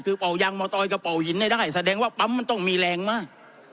คือเป่ายางมาตอยกระเป๋าหินให้ได้แสดงว่าปั๊มมันต้องมีแรงมาก